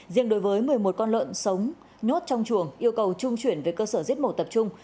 riêng đối với một mươi một con lợn sống nhốt trong chuồng yêu cầu trung chuyển về cơ sở giết mổ tập trung